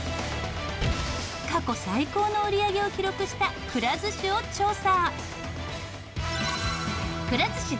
過去最高の売り上げを記録したくら寿司を調査。